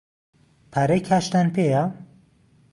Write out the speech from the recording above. پارەی کاشتان پێیە؟